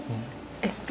ＳＰ。